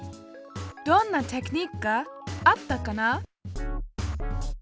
どんなテクニックがあったかな？